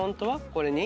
これに？